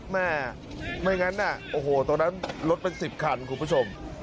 แม่ไม่งั้นน่ะโอ้โหตรงนั้นรถเป็น๑๐คันคุณผู้ชม